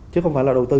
chứ không phải là đầu tư